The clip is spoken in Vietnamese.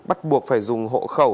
bắt buộc phải dùng hộ khẩu